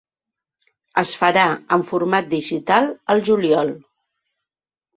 Es farà en format digital al juliol.